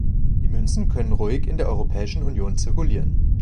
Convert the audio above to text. Die Münzen können ruhig in der Europäischen Union zirkulieren.